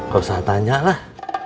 kau bisa tanya lah